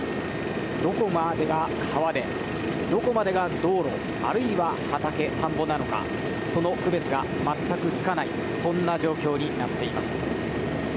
どこまでが川で、どこまでが道路あるいは畑、田んぼなのかその区別が全くつかないそんな状況になっています。